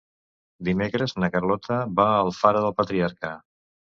Dimecres na Carlota va a Alfara del Patriarca.